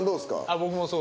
僕もそう。